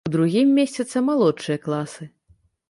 У другім месцяцца малодшыя класы.